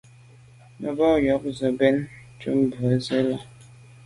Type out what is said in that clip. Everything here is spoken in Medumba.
Me ba we ze be me lem ju mbwe Nsi à.